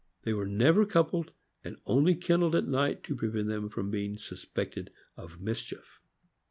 They were never coupled, and only kenneled at night to prevent them from being suspected of mischief.